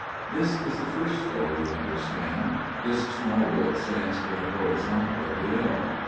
This is the first floor, you understand. This small book stands for the horizontal of the L.